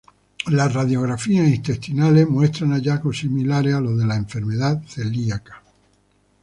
Las radiografías intestinales muestran hallazgos similares a los de la enfermedad celíaca.